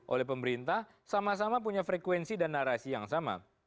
oleh pemerintah sama sama punya frekuensi dan narasi yang sama